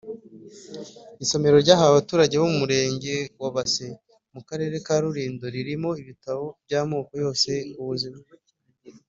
Isomero ryahawe abaturage bo mu Murenge wa Base mu Karere ka Rulindo ririmo ibitabo by’amoko yose ubuzima